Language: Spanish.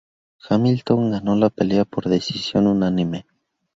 Hamilton ganó la pelea por decisión unánime.